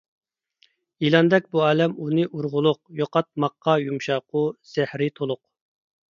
يىلاندەك بۇ ئالەم ئۇنى ئۇرغۇلۇق، يوقاتماققا يۇمشاقۇ، زەھىرى تولۇق.